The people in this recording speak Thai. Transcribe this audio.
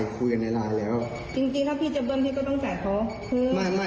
จริงถ้าพี่จะเบิ้ลพี่ก็ต้องจ่ายเพิ่ม